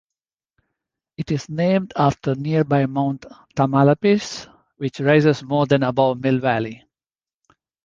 It is named after nearby Mount Tamalpais, which rises more than above Mill Valley.